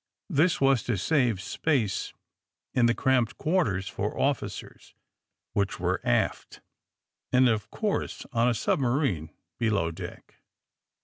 This was to save space in the cramped quarters for officers, which were aft, and, of course, on a submarine, below deck.